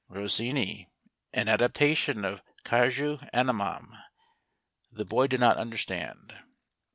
"" Rossini — an adaptation from Ctijus Animam'' The boy did not under stand.